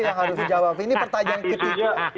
yang harus dijawab ini pertanyaan ketiga